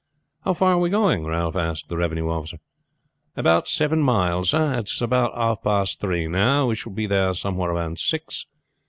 "How far are we going?" Ralph asked the revenue officer. "About seven miles, sir. It's about half past three now; we shall be there somewhere about six.